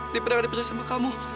di perang yang diperses sama kamu